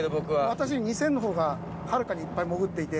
私２０００のほうがはるかにいっぱい潜っていて。